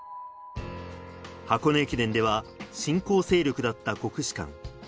箱根駅伝では新興勢力だった国士舘。